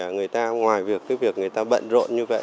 người ta ngoài việc người ta bận rộn như vậy